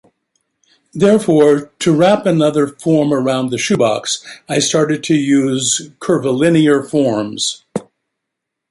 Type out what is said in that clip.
Therefore, to wrap another form around the shoebox, I started to use curvilinear forms...